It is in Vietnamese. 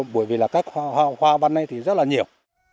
bởi vì các hoa băn này thì rất là nhiều